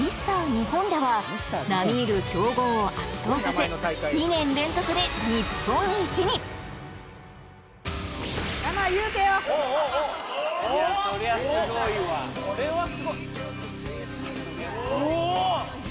日本では並み居る強豪を圧倒させ２年連続で日本一にいやそりゃすごいわこれはすごいうお！